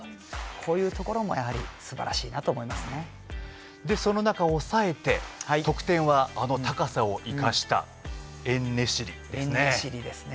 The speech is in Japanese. こういうところもやはりその中、抑えて得点はあの高さを生かしたエンネシリですね。